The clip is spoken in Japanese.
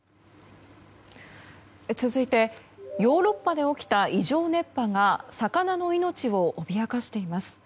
続いてヨーロッパで起きた異常熱波が魚の命を脅かしています。